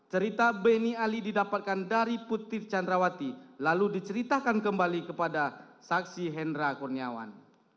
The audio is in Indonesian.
cerita beni ali didapatkan dari putri candrawati lalu diceritakan kembali kepada saksi hendra kurniawan